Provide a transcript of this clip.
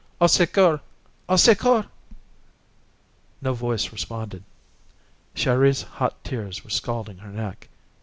Au secours! Au secours!" No voice responded. Chéri's hot tears were scalding her neck.